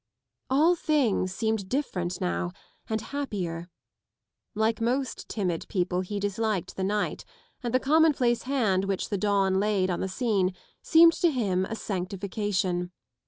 All things seemed different now and happier. Like most timid people he disliked the night, and the commonplace hand which the dawn laid on the scene seemed to him a sanctihcation.